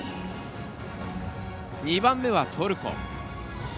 ２番目は、トルコ。